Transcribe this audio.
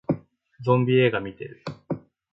ゾンビ映画見てる